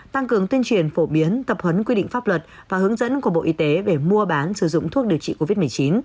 tăng cường tuyên truyền phổ biến tập huấn quy định pháp luật và hướng dẫn của bộ y tế về mua bán sử dụng thuốc điều trị covid một mươi chín